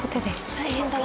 大変だな